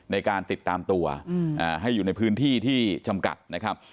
ในการติดตามตัวให้อยู่ในพื้นที่ที่จำกัดนะครับ